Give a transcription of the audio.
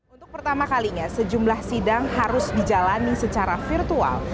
untuk pertama kalinya sejumlah sidang harus dijalani secara virtual